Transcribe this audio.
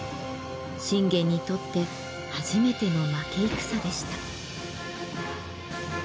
信玄にとって初めての負け戦でした。